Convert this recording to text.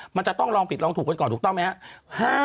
มันจะต้องลองผิดลองถูกกันก่อนถูกต้องไหมครับ